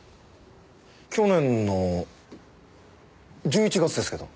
去年の１１月ですけど。